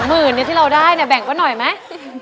๒หมื่นนี่ที่เราได้เนี่ยแบ่งปะหน่อยมั้ย